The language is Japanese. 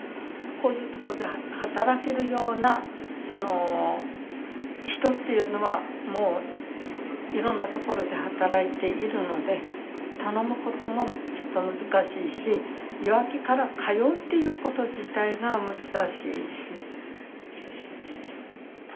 こういうとこで働けるような人っていうのはもういろんなところで働いているので頼むこともちょっと難しいしいわきから通うっていうこと自体が難しいし。